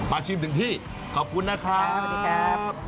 ชิมถึงที่ขอบคุณนะครับสวัสดีครับ